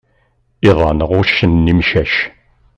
Iḍan ɣuccen imcac.